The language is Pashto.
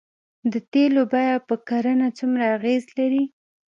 د تیلو بیه په کرنه څومره اغیز لري؟